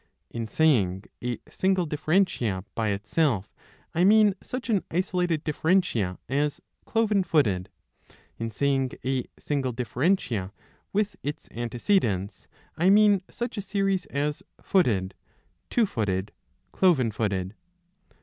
(In saying a single differentia by itself I mean such an isolated differentia as Cloven footed ; in saying a single differentia with its antecedents I mean such a series as Footed, Two footed, Cloven footed.